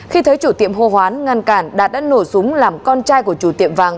khi thấy chủ tiệm hô hoán ngăn cản đạt đã nổ súng làm con trai của chủ tiệm vàng